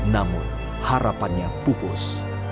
namun harapannya pupus